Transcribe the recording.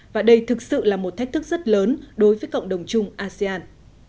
và đây thực sự là một thách thức rất lớn đối với cộng đồng chung asean